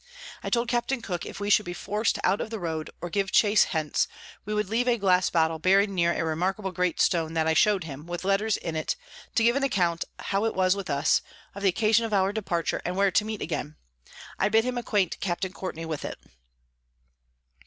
I told Capt. Cooke, if we should be forc'd out of the Road, or give Chase hence, we would leave a Glass Bottle bury'd near a remarkable great Stone, that I show'd him, with Letters in it, to give an account how it was with us, of the occasion of our Departure, and where to meet again: I bid him acquaint Capt. Courtney with it.